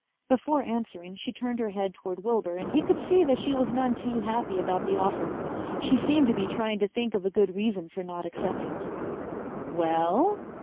Before answering she turned her head toward Wilbur and he could see that she was none too happy about the offer. She seemed to be trying to think of a good reason for not accepting. "Well?"